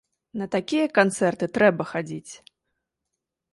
На такія канцэрты трэба хадзіць!